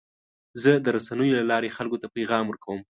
زه د رسنیو له لارې خلکو ته پیغام ورکوم.